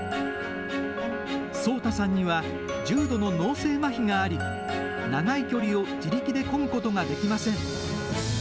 聡太さんには重度の脳性まひがあり、長い距離を自力でこぐことができません。